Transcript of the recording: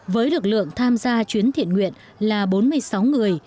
với lực lượng tham gia chuyến thiện nguyện là bốn mươi sáu người